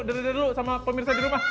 dari dulu sama pemirsa di rumah